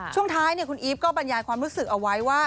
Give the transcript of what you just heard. ช่วงท้ายคุณอีฟก็บรรยายความรู้สึกเอาไว้ว่า